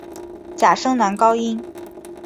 假声男高音。